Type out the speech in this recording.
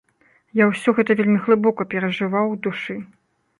Я ўсё гэта вельмі глыбока перажываў у душы.